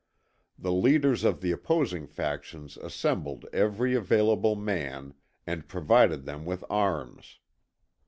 The leaders of the opposing factions assembled every available man, and provided them with arms.